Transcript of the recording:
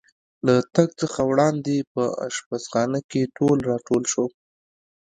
له تګ څخه وړاندې په اشپزخانه کې ټول را ټول شو.